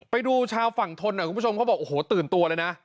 ไปดูชาวฝั่งทนหน่อยคุณผู้ชมเขาบอกโอ้โหตื่นตัวเลยนะ